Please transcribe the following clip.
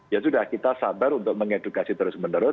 ya sudah kita sabar untuk mengedukasi terus menerus